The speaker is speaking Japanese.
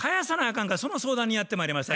かんかその相談にやってまいりました。